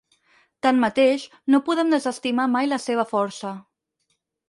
Tanmateix, no podem desestimar mai la seva força.